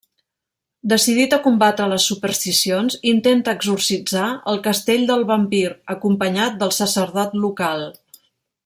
Decidit a combatre les supersticions, intenta exorcitzar el castell del vampir, acompanyat del sacerdot local.